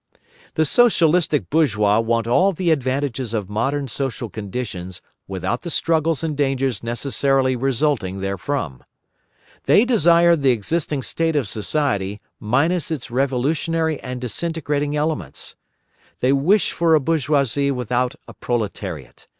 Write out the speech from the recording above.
The Socialistic bourgeois want all the advantages of modern social conditions without the struggles and dangers necessarily resulting therefrom. They desire the existing state of society minus its revolutionary and disintegrating elements. They wish for a bourgeoisie without a proletariat.